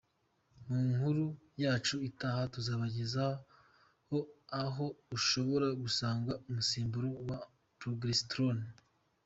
Mu nkuru yacu itaha tuzabagezaho aho ushobora gusanga umusemburo wa progesterone.